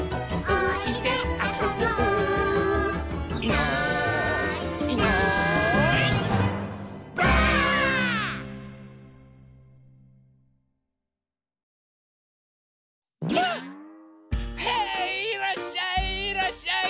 へいいらっしゃいいらっしゃい！